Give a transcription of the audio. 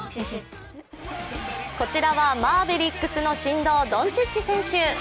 こちらは、マーベリックスの神童、ドンチッチ選手。